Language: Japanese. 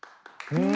うん！